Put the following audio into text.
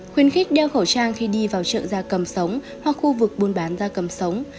khuyến khích đeo khẩu trang khi đi vào chợ da cầm sống hoặc khu vực buôn bán da cầm sống